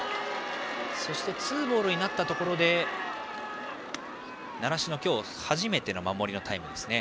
ツーボールになったところで習志野、今日初めての守りのタイムですね。